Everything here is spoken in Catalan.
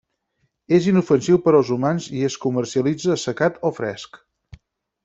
És inofensiu per als humans i es comercialitza assecat o fresc.